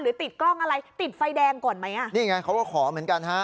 ติดกล้องอะไรติดไฟแดงก่อนไหมอ่ะนี่ไงเขาก็ขอเหมือนกันฮะ